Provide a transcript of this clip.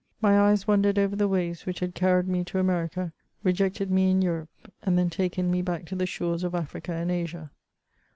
My eyes wandered over the waves which had carried me to America, rejected me in Europe, and then taken me back to the shores of Africa and Asia.